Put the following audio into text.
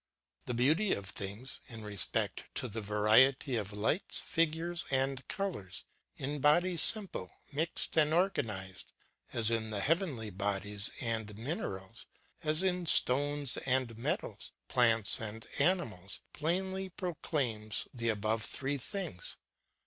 The 8ouVs Progress in God. 297 Tlie beauty of tlnno;s ŌĆö in respect to the variety of lij^hts, figures, and colors, in bodies simple, mixed, and organized, as in the heavenly bodies and minerals, as in stones and metals, plants and animals ŌĆö plainly proclaims the above three things.